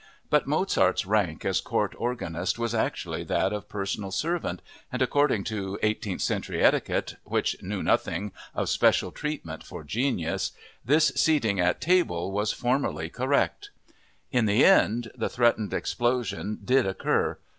But Mozart's rank as court organist was actually that of personal servant, and according to eighteenth century etiquette, which knew nothing of special treatment for genius, this seating at table was formally correct. In the end the threatened explosion did occur.